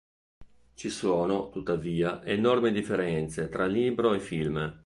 Ci sono, tuttavia, enormi differenze tra libro e film.